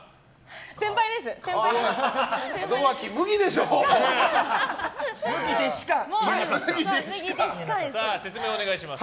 先輩です！